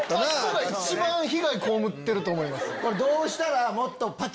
一番被害被ってると思います。